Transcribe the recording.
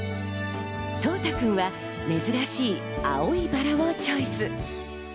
統太くんは珍しい青いバラをチョイス。